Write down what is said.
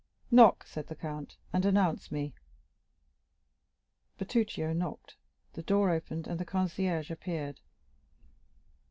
"Knock," said the count, "and announce me." Bertuccio knocked, the door opened, and the concierge appeared.